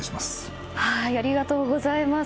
ありがとうございます。